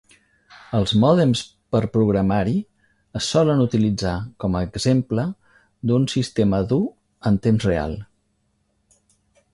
Els mòdems per programari es solen utilitzar com a exemple d'un sistema dur en temps real.